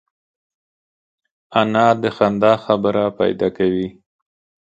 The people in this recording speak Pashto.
انا د خندا خبره پیدا کوي